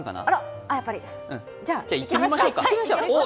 じゃあ言ってみましょう。